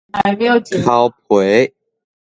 剾皮